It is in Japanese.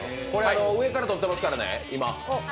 上から撮ってますからね